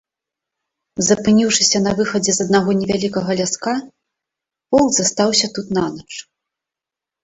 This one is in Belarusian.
Запыніўшыся на выхадзе з аднаго невялікага ляска, полк застаўся тут нанач.